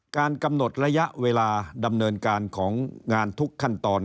การกำหนดระยะเวลาดำเนินการของงานทุกขั้นตอน